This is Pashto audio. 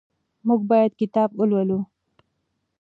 موږ باید کتاب ولولو.